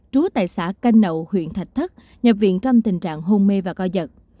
trú tại xã canh nậu huyện thạch thất nhập viện trong tình trạng hôn mê và co giật